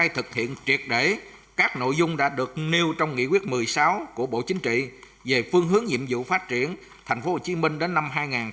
và phải thực hiện triệt để các nội dung đã được nêu trong nghị quyết một mươi sáu của bộ chính trị về phương hướng nhiệm vụ phát triển thành phố hồ chí minh đến năm hai nghìn hai mươi